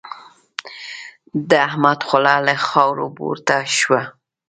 د احمد خوله له خاورو پورته شوه.